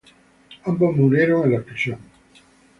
Ambos murieron en la explosión.